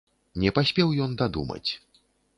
Не паспеў ён дадумаць.